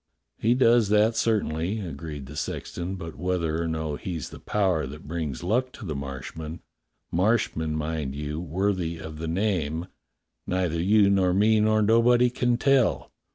^^" "He does that certainly," agreed the sexton. "But whether or no he's the power what brings luck to the Marshmen — Marshmen, mind you, worthy of the name — neither you nor me nor nobody can tell.